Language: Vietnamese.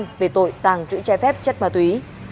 giam về tội tàng trữ trái phép chất ma túy